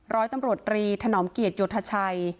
ร้อยตำรวจตรีถนอมเกียรติโยธชัย